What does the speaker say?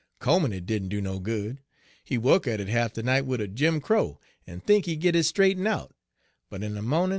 Combin' it didn' do no good; he wuk at it ha'f de night wid er Jim Crow, 1 en think he git it straighten' out, but in de mawnin' 1.